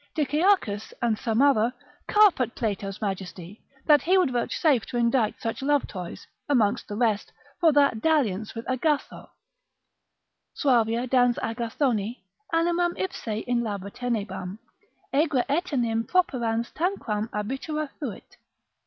Dicearchus, and some other, carp at Plato's majesty, that he would vouchsafe to indite such love toys: amongst the rest, for that dalliance with Agatho, Suavia dans Agathoni, animam ipse in labra tenebam; Aegra etenim properans tanquam abitura fuit.